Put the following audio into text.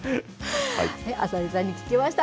浅井さんに聞きました。